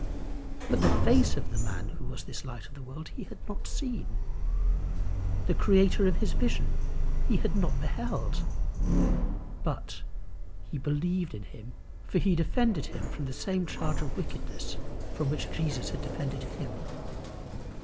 But the face of the man who was this light of the world he had not seen. The creator of his vision he had not yet beheld. But he believed in him, for he defended him from the same charge of wickedness from which Jesus had defended him.